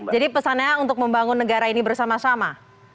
jadi pesannya untuk membangun negara ini bersama sama